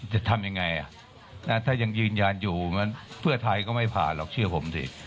จะทำยังไงถ้ายังยืนยันอยู่เพื่อไทยก็ไม่ผ่านหรอกเชื่อผมสิ